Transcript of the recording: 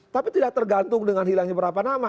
tapi tidak tergantung dengan hilangnya berapa nama